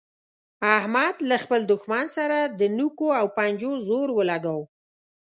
احمد له خپل دوښمن سره د نوکو او پنجو زور ولګاوو.